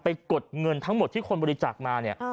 กดเงินทั้งหมดที่คนบริจาคมาเนี่ย